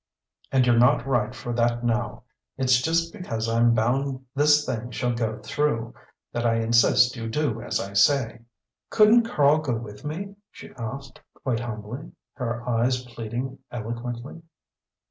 And you're not right for that now. It's just because I'm bound this thing shall go through, that I insist you do as I say." "Couldn't Karl go with me?" she asked, quite humbly, her eyes pleading eloquently.